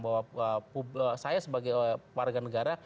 bahwa saya sebagai warga negara